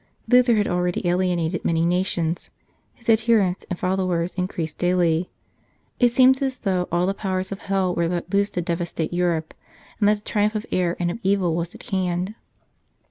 Luther had already alienated many nations, his adherents and followers in creased daily ; it seemed as though all the powers of hell were let loose to devastate Europe, and that the triumph of error and of evil was at hand.